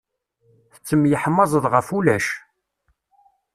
Tettemyeḥmaẓeḍ ɣef ulac.